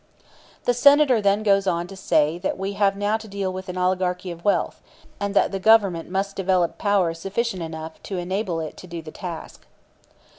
The Senator then goes on to say that we now have to deal with an oligarchy of wealth, and that the Government must develop power sufficient enough to enable it to do the task.